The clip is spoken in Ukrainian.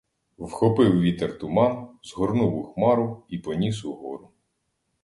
Вхопив вітер туман, згорнув у хмару і поніс угору.